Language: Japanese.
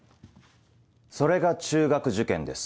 それが中学受験です。